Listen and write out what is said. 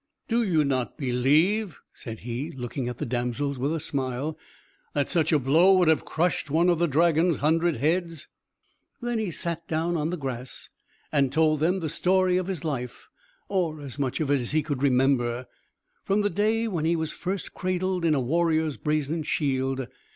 "Do you not believe," said he, looking at the damsels with a smile, "that such a blow would have crushed one of the dragon's hundred heads?" Then he sat down on the grass, and told them the story of his life, or as much of it as he could remember, from the day when he was first cradled in a warrior's brazen shield.